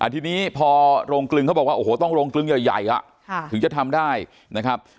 ทีนี้พอโรงกลึงเขาบอกว่าโอ้โหต้องโรงกลึงใหญ่ถึงจะทำได้นะครับ